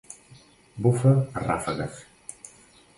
Bufa a ràfegues.